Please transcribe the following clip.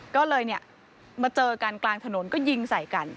ก็เลยเนี่ยมาเจอกันกลางถนนก็ยิงใส่กัน